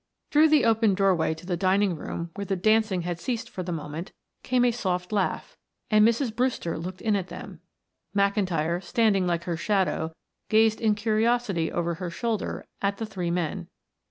Through the open doorway to the dining room where the dancing had ceased for the moment, came a soft laugh and Mrs. Brewster looked in at them. McIntyre, standing like her shadow, gazed in curiosity over her shoulder at the three men.